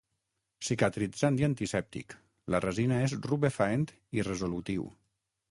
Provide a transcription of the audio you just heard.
Cicatritzant i antisèptic; la resina és rubefaent i resolutiu.